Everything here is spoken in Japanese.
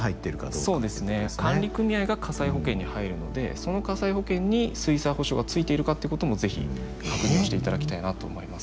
そうですね管理組合が火災保険に入るのでその火災保険に水災補償がついているかってことも是非確認をしていただきたいなと思います。